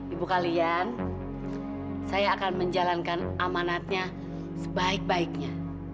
ibu kalian saya akan menjalankan amanatnya sebaik baiknya